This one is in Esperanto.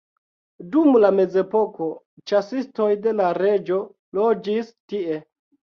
Dum la mezepoko ĉasistoj de la reĝo loĝis tie.